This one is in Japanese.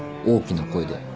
大きな声で。